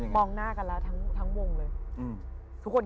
มองหน้ากันทั้งวงเลย